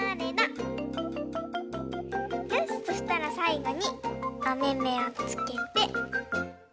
よしそしたらさいごにおめめをつけて。